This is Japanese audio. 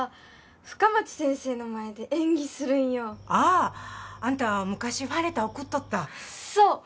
深町先生の前で演技するんよあああんた昔ファンレター送っとったそう！